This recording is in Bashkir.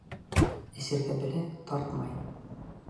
Эсергә белә, тартмай.